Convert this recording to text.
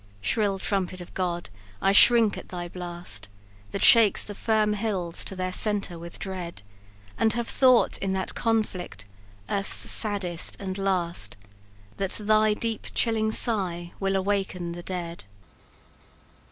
"Shrill trumpet of God! I shrink at thy blast, That shakes the firm hills to their centre with dread, And have thought in that conflict earth's saddest and last That thy deep chilling sigh will awaken the dead!"